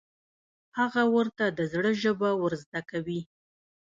هغه ورته د زړه ژبه ور زده کوي.